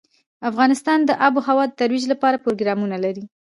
افغانستان د آب وهوا د ترویج لپاره پروګرامونه لري.